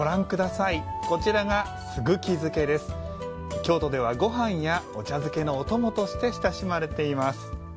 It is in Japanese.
京都では、ごはんやお茶漬けのお供として親しまれています。